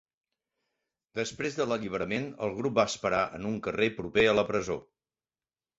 Després de l'alliberament, el grup va esperar en un carrer proper a la presó.